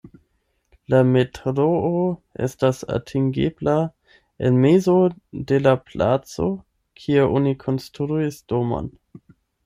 La metroo estas atingebla el mezo de la placo, kie oni konstruis domon.